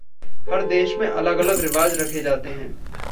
हर देश में अलग अलग रिवाज़ रखे जाते हैं।